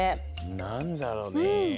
なんだろうね。